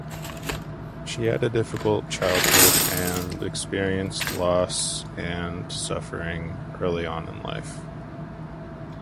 She had a difficult childhood and experienced loss and suffering early on in life.